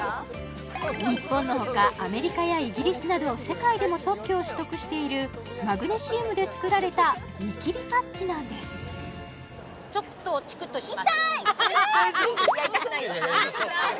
日本のほかアメリカやイギリスなど世界でも特許を取得しているマグネシウムで作られたニキビパッチなんですちょっとチクっとします